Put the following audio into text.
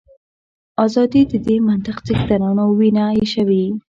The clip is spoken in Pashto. ازادي د دې منطق څښتنانو وینه ایشوي.